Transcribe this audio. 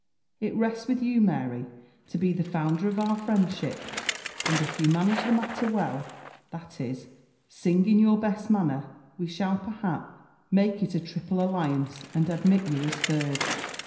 It rests with you, Mary, to be the founder of our friendship; and if you manage the matter well, that is, sing in your best manner, we shall perhap, make it a triple alliance, and admit you as third."